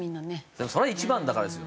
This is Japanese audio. それは一番だからですよ。